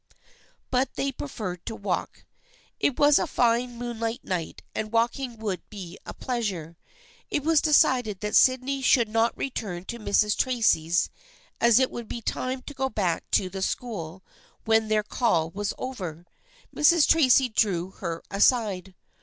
But they preferred to walk. It was a fine moonlight night and walking would be a pleasure. It was decided that Sydney should not return to Mrs. Tracy's, as it would be time to go back to the school when their call was over. Mrs. Tracy drew her aside.